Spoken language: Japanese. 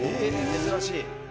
珍しい。